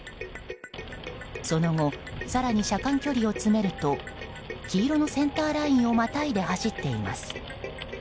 その後、更に車間距離を詰めると黄色のセンターラインをまたいで走っています。